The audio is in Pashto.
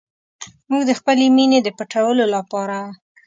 موږ د خپلې مینې د پټولو لپاره.